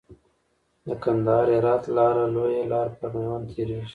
د کندهار هرات لاره لويه لار پر ميوند تيريږي .